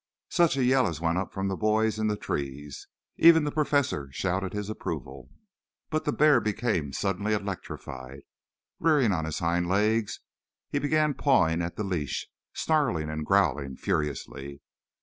Such a yell as went up from the boys in the trees! Even the Professor shouted his approval. But the bear became suddenly electrified. Rearing on his hind legs he began pawing at the leash, snarling and growling furiously.